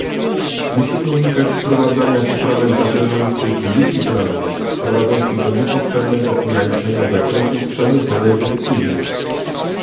Musimy unikać wprowadzania poprawek zawierających luki prawne, prowadzących do niepotrzebnego ograniczenia zakresu przedmiotowej dyrektywy